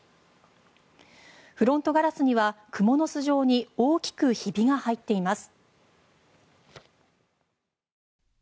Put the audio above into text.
フロントガラスにはクモの巣状に大きくひびが入っています。